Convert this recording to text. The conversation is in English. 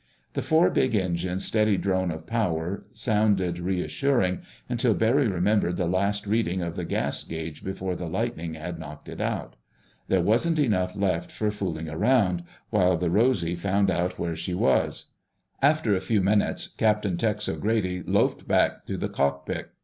The four big engines' steady drone of power sounded reassuring, until Barry remembered the last reading of the gas gauge before the lightning had knocked it out. There wasn't enough left for fooling around, while the Rosy found out where she was. After a few minutes, Captain Tex O'Grady loafed back to the cockpit.